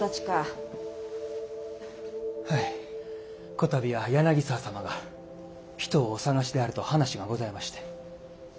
こたびは柳沢様が人をお探しであると話がございまして。